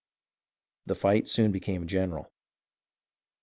The fight soon became general.